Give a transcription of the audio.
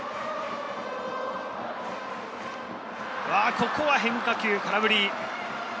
ここは変化球、空振り。